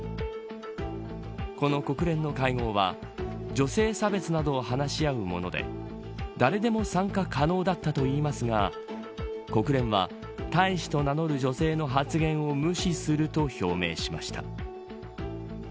この国連の会合は女性差別などを話し合うもので誰でも参加可能だったといいますが国連は大使と名乗る女性の発言を無視すると表明しました。